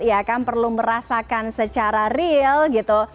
ya kan perlu merasakan secara real gitu